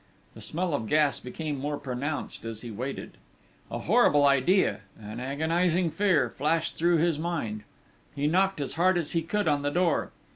The smell of gas became more pronounced as he waited. A horrible idea, an agonising fear, flashed through his mind. He knocked as hard as he could on the door.